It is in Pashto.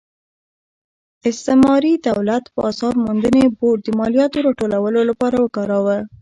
استعماري دولت بازار موندنې بورډ د مالیاتو راټولولو لپاره وکاراوه.